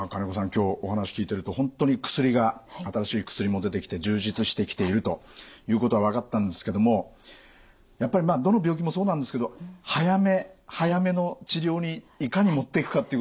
今日お話聞いてると本当に薬が新しい薬も出てきて充実してきているということは分かったんですけどもやっぱりまあどの病気もそうなんですけど早め早めの治療にいかにもっていくかっていうことが大事ですね。